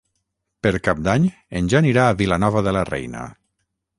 Per Cap d'Any en Jan irà a Vilanova de la Reina.